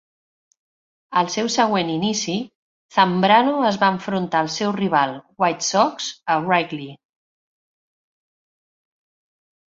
Al seu següent inici, Zambrano es va enfrontar el seu rival White Sox a Wrigley.